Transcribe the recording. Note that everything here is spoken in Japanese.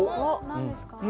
何ですか？